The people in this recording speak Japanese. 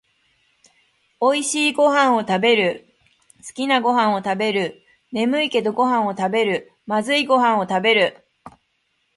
おいしいごはんをたべる、だいすきなごはんをたべる、ねむいけどごはんをたべる、まずいごはんをたべる